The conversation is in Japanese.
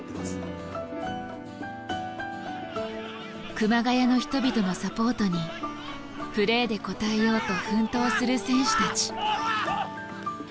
熊谷の人々のサポートにプレーで応えようと奮闘する選手たち。